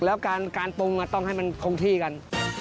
แล้วการปรุงต้องให้มันคงที่กัน